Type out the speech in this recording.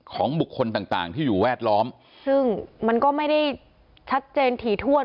ของบุคคลต่างต่างที่อยู่แวดล้อมซึ่งมันก็ไม่ได้ชัดเจนถี่ถ้วน